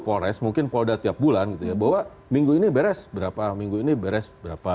polres mungkin poda tiap bulan bahwa minggu ini beres berapa minggu ini beres berapa